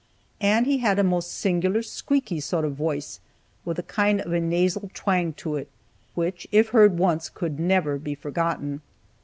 And he had a most singular, squeaky sort of a voice, with a kind of a nasal twang to it, which if heard once could never be forgotten.